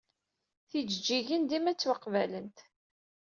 Tijejjigin dima ttwaqbalent.